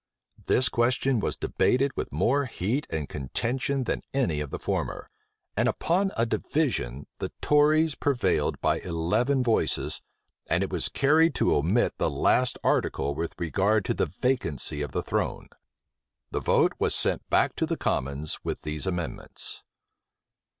This question was debated with more heat and contention than any of the former; and upon a division, the tories prevailed by eleven voices, and it was carried to omit the last article with regard to the vacancy of the throne. The vote was sent back to the commons with these amendments.